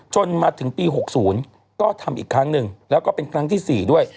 จนมาถึงปี๖๐ก็ทำอีกครั้งหนึ่งแล้วก็เป็นครั้งที่๔ด้วย